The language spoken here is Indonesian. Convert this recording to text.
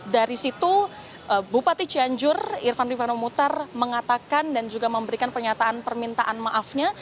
dari situ bupati cianjur irfan rifano mutar mengatakan dan juga memberikan pernyataan permintaan maafnya